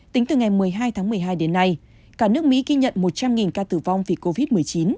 tính từ ngày một mươi hai tháng một mươi hai đến nay cả nước mỹ ghi nhận một trăm linh ca tử vong vì covid một mươi chín